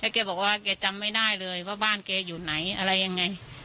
แกบอกว่าแกจำไม่ได้เลยว่าบ้านแกอยู่ไหนอะไรยังไง